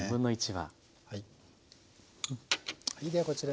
はい。